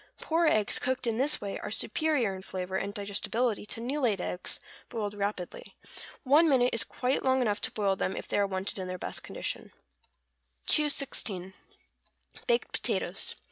Poor eggs cooked in this way are superior in flavor and digestibility to new laid eggs boiled rapidly. One minute is quite long enough to boil them if they are wanted in their best condition. 216. =Baked Potatoes.